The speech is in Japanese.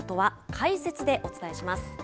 解説でお伝えします。